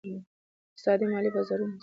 اقتصاد د مالي بازارونو فعالیت څیړي.